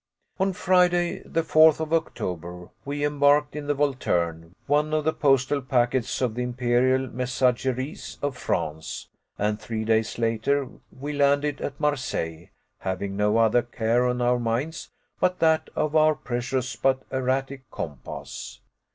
On Friday, the 4th of October, we embarked in the Volturne, one of the postal packets of the Imperial Messageries of France; and three days later we landed at Marseilles, having no other care on our minds but that of our precious but erratic compass.